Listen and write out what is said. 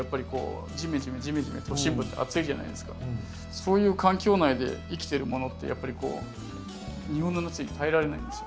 そういう環境内で生きてるものって日本の夏に耐えられないんですよ。